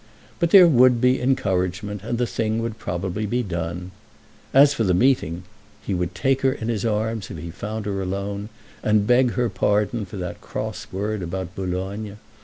But there would be encouragement, and the thing would probably be done. As for the meeting, he would take her in his arms if he found her alone, and beg her pardon for that cross word about Boulogne.